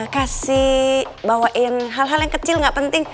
kasih bawain hal hal yang kecil gak penting